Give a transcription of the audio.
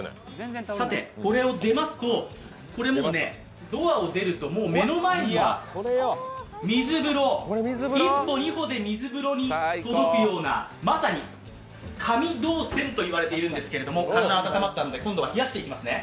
さてこれを出ますと、ドアを出ますと目の前には水風呂、１歩２歩で水風呂に届くようなまさに神動線といわれてるんですけど、体温まったので今度は冷やしていきますね。